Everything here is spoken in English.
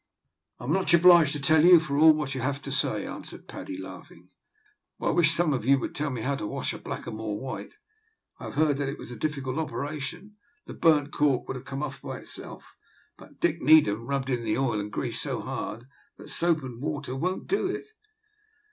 "I am much obliged to you for all what you have to say," answered Paddy, laughing, "but I wish some of you would tell me how to wash a blackamoor white. I have heard that it was a difficult operation. The burnt cork would have come off by itself, but Dick Needham rubbed in the oil and grease so hard that soap and water won't do it."